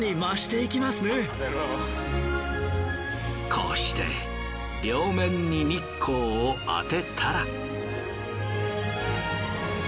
こうして両面に日光を当てたら。